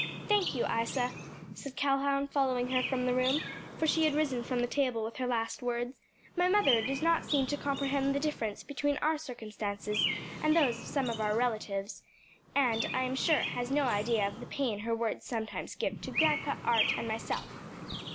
"Thank you, Isa," said Calhoun, following her from the room, for she had risen from the table with her last words; "my mother does not seem to comprehend the difference between our circumstances and those of some of our relatives, and I am sure has no idea of the pain her words sometimes give to grandpa, Art, and myself."